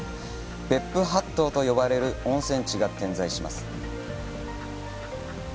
「別府八湯」と呼ばれる温泉地が点在します。